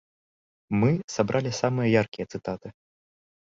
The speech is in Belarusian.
Мы сабралі самыя яркія цытаты.